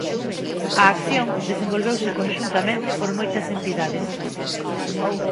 A acción desenvolveuse conxuntamente por moitas entidades.